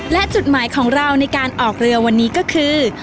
และจุดหมายของเราในการออกเรือวันนี้ก็คือ